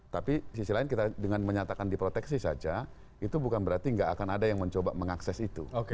tapi sisi lain kita dengan menyatakan diproteksi saja itu bukan berarti nggak akan ada yang mencoba mengakses itu